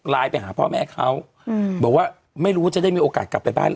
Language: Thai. ไปหาพ่อแม่เขาบอกว่าไม่รู้จะได้มีโอกาสกลับไปบ้านแล้ว